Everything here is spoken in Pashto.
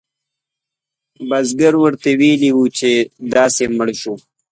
بزګر ورته وویل چې داسې مړ شو.